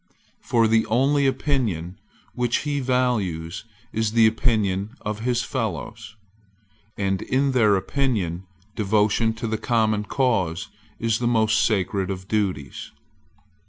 For the only opinion which he values is the opinion of his fellows; and in their opinion devotion to the common cause is the most sacred of duties.